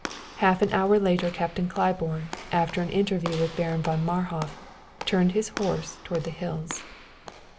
Half an hour later Captain Claiborne, after an interview with Baron von Marhof, turned his horse toward the hills.